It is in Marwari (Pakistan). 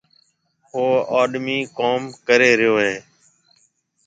او آڏمِي ڪوم ڪري ريو هيَ۔